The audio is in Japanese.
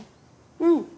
うん。